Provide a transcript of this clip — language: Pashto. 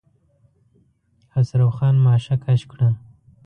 خسرو خان ماشه کش کړه.